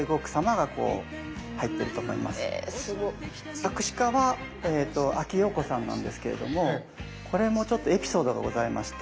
作詞家はえと阿木燿子さんなんですけれどもこれもちょっとエピソードがございまして。